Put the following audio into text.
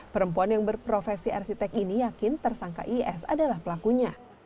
perempuan yang berprofesi arsitek ini yakin tersangka is adalah pelakunya